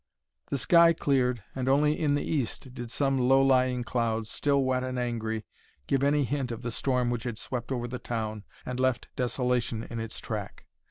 The sky cleared and only in the east did some low lying clouds, still wet and angry, give any hint of the storm which had swept over the town and left desolation in its track.